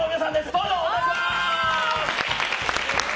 どうぞ、お願いします。